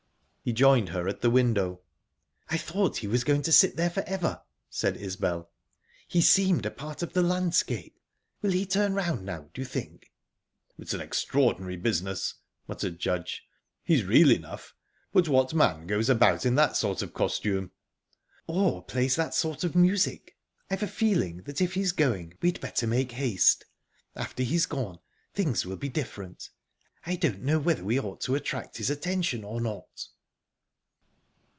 He joined her at the window. "I thought he was going to sit there for ever," said Isbel. "He seemed a part of the landscape. Will he turn round now, do you think?" "It's an extraordinary business," muttered Judge. "He's real enough, but what man goes about in that sort of costume?" "Or plays that sort of music?...I've a feeling that if he's going we'd better make haste. After he's gone, things will be different. I don't know whether we ought to attract his attention, or not."